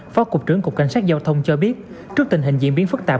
phó cục trưởng cục cảnh sát giao thông cho biết trước tình hình diễn biến phức tạp